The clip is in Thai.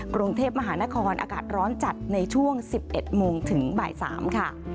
กรุงเทพมหานครอากาศร้อนจัดในช่วง๑๑โมงถึงบ่าย๓ค่ะ